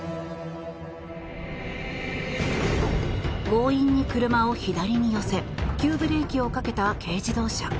強引に車を左に寄せ急ブレーキをかけた軽自動車。